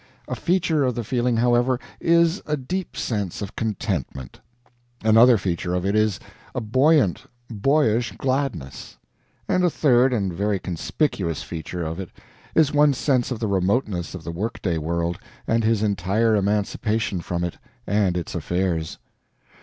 A feature of the feeling, however, is a deep sense of contentment; another feature of it is a buoyant, boyish gladness; and a third and very conspicuous feature of it is one's sense of the remoteness of the work day world and his entire emancipation from it and its affairs.